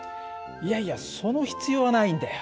いやいやその必要はないんだよ。